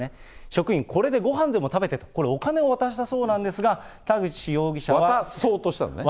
職員、これでごはんでも食べて、お金を渡したそうなんですが、田渡そうとしたのね。